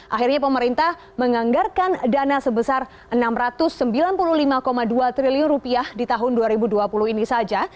akhirnya pemerintah menganggarkan dana sebesar rp enam ratus sembilan puluh lima dua triliun di tahun dua ribu dua puluh ini saja